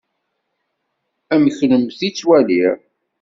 Am kennemti i ttwaliɣ.